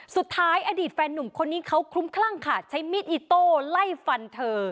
อดีตแฟนหนุ่มคนนี้เขาคลุ้มคลั่งค่ะใช้มีดอิโต้ไล่ฟันเธอ